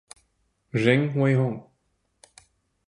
Zheng Weihong.